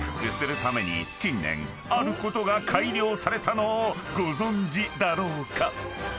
［近年あることが改良されたのをご存じだろうか？］